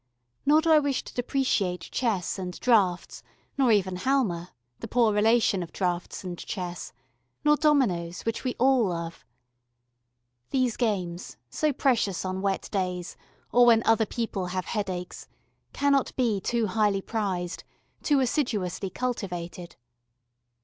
Nor do I wish to depreciate chess and draughts, nor even halma, the poor relation of draughts and chess, nor dominoes, which we all love. These games, so precious on wet days, or when other people have headaches, cannot be too highly prized, too assiduously cultivated.